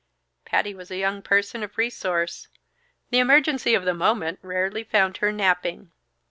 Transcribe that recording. Patty was a young person of resource; the emergency of the moment rarely found her napping.